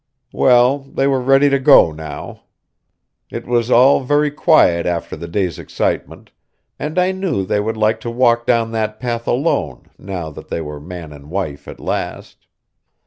Well, they were ready to go now. It was all very quiet after the day's excitement, and I knew they would like to walk down that path alone now that they were man and wife at last.